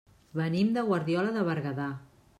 Venim de Guardiola de Berguedà.